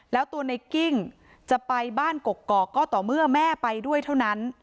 แล้วตัวในกิ้งจะไปบ้านกกอกก็ต่อเมื่อแม่ไปด้วยเท่านั้น